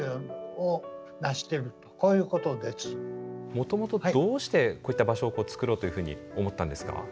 もともとどうしてこういった場所を作ろうというふうに思ったんですか？